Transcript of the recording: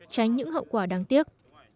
tránh những hậu quả đáng tiếc